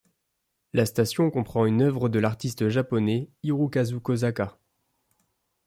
La station comprend une œuvre de l'artiste japonais Hirokazu Kosaka.